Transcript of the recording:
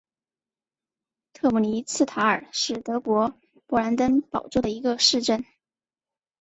特姆尼茨塔尔是德国勃兰登堡州的一个市镇。